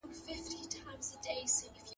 چي بد غواړې، پر بدو به واوړې.